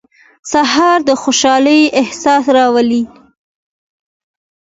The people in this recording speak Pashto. سهار د خوشحالۍ احساس راولي.